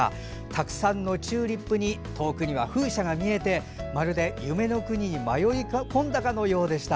たくさんのチューリップに遠くには風車が見えてまるでに迷い込んだかのようでした。